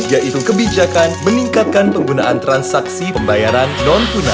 yaitu kebijakan meningkatkan penggunaan transaksi pembayaran non tunai